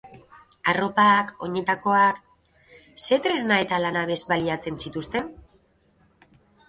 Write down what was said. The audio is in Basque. Arropak, oinetakoak... Ze tresna eta lanabes baliatzen zituzten?